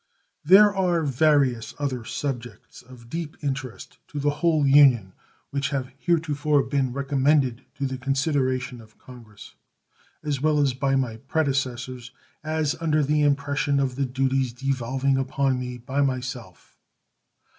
There are various other subjects of deep interest to the whole Union which have heretofore been recommended to the consideration of Congress, as well by my predecessors as, under the impression of the duties devolving upon me, by myself.